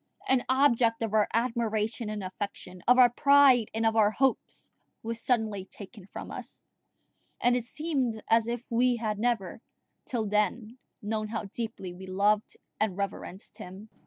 An object of our admiration and affection, of our pride and of our hopes, was suddenly taken from us; and it seemed as if we had never till then known how deeply we loved and reverenced him.